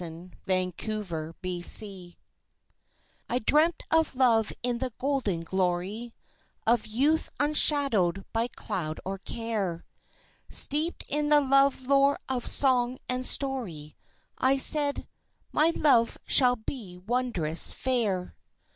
When Love Passed By I dreamt of love in the golden glory Of youth unshadowed by cloud or care; Steeped in the love lore of song and story, I said, "My Love shall be wondrous fair."